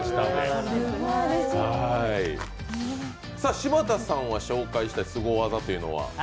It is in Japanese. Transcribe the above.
柴田さんが紹介したすご技というのは？